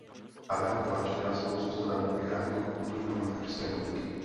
Areál kláštera spolu s kostelem je chráněn jako kulturní památka České republiky.